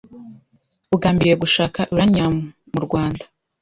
bugambiriye gushaka Uranium mu Rwanda